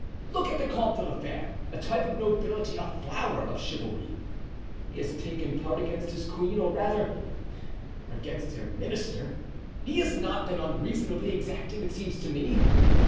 Look at the Comte de la Fere, a type of nobility, a flower of chivalry. He has taken part against his queen, or rather, against her minister. He has not been unreasonably exacting, it seems to me.